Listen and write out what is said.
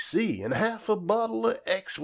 B.C., An' half a bottle of X.Y.